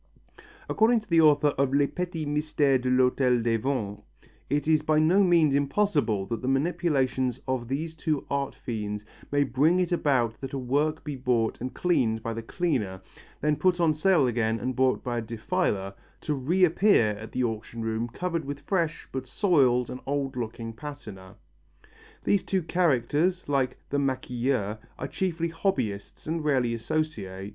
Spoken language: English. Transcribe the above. According to the author of Les Petits Mystères de l'Hôtel des Ventes it is by no means impossible that the manipulations of these two art fiends may bring it about that a work be bought and cleaned by the cleaner, then put on sale again and bought by a defiler, to reappear at the auction room covered with fresh but soiled and old looking patina. These two characters, like the maquilleur, are chiefly hobbyists and rarely associate.